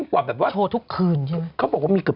ก็เต็มแล้ว